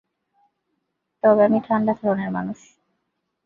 তবে আমি ঠাণ্ডা ধরনের মানুষ।